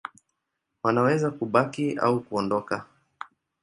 Wanaweza kubaki au kuondoka.